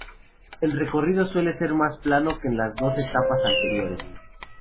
El recorrido suele ser mas plano que en las dos etapas anteriores.